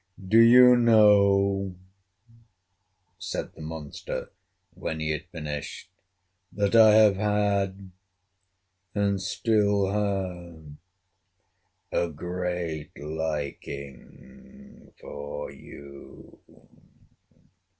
"Do you know," said the monster, when he had finished, "that I have had, and still have, a great liking for you?"